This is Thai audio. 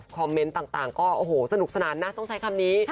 เมนต์ต่างก็โอ้โหสนุกสนานนะต้องใช้คำนี้